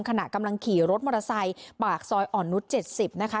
ขณะกำลังขี่รถมอเตอร์ไซค์ปากซอยอ่อนนุษย๗๐นะคะ